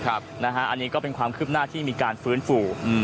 อันนี้ก็เป็นความคืบหน้าที่มีการฟื้นฟู